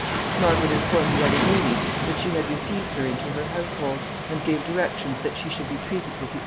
Margaret informed the other ladies that she had received her into her household, and gave directions that she should be treated with the utmost consideration.